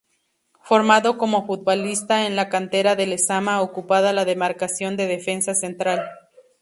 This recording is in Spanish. Formado como futbolista en la cantera de Lezama, ocupaba la demarcación de defensa central.